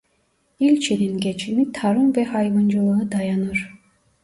İlçenin geçimi tarım ve hayvancılığa dayanır.